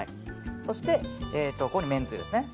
そして、ここにめんつゆですね。